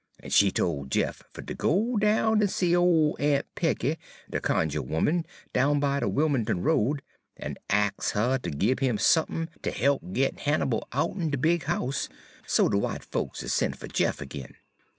En she tol' Jeff fer ter go down en see ole Aun' Peggy, de cunjuh 'oman down by de Wim'l'ton Road, en ax her ter gib 'im sump'n ter he'p git Hannibal out'n de big house, so de w'ite folks u'd sen' fer Jeff ag'in.